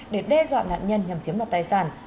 để đe dọa nạn nhân nhằm chiếm đoạt tài sản